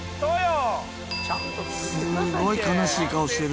すごい悲しい顔してる。